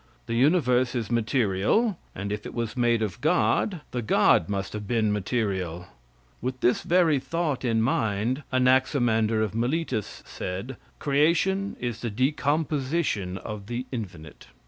The universe is material, and if it was made of god, the god must have been material. With this very thought in his mind, Anaximander of Miletus said: "Creation is the decomposition of the infinite."